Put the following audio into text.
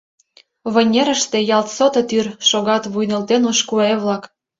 Вынерыште ялт сото тӱр — Шогат вуй нӧлтен ош куэ-влак.